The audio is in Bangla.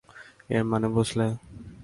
এর মানে বুঝলে?